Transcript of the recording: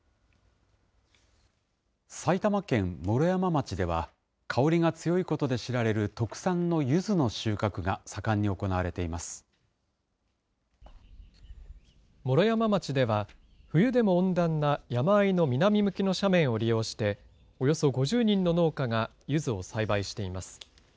埼玉県毛呂山町では、香りが強いことで知られる特産のゆずの収穫が盛んに行われていま毛呂山町では、冬でも温暖な山あいの南向きの斜面を利用して、およそ５０人の農家がゆずを栽培しています。